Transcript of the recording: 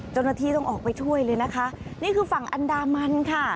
เจ้าหน้าที่ต้องออกไปช่วยเลยนะคะนี่คือฝั่งอันดามันค่ะ